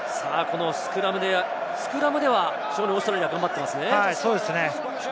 スクラムでは非常にオーストラリアが頑張っていますね。